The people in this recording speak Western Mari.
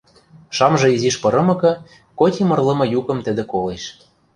Шамжы изиш пырымыкы, коти мырлымы юкым тӹдӹ колеш.